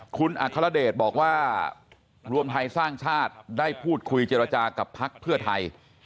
คุณอัครเดชบอกว่ารวมไทยสร้างชาติได้พูดคุยเจรจากับพักเพื่อไทย